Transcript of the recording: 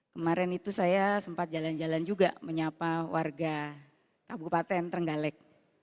kemarin itu saya sempat jalan jalan juga menyapa warga kabupaten trenggalek